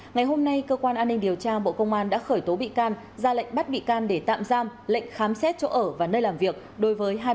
ngày hôm nay cơ quan an ninh điều tra bộ công an đã khởi tố bị can ra lệnh bắt bị can để tạm giam lệnh khám xét chỗ ở